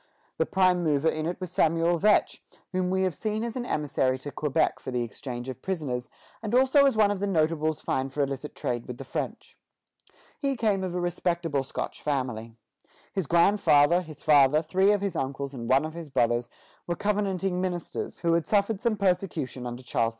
The prime mover in it was Samuel Vetch, whom we have seen as an emissary to Quebec for the exchange of prisoners, and also as one of the notables fined for illicit trade with the French. He came of a respectable Scotch family. His grandfather, his father, three of his uncles, and one of his brothers were Covenanting ministers, who had suffered some persecution under Charles II.